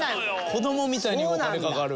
子供みたいにお金かかる。